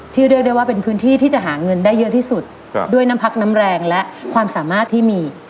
เรียกได้ว่าเป็นพื้นที่ที่จะหาเงินได้เยอะที่สุดด้วยน้ำพักน้ำแรงและความสามารถที่มี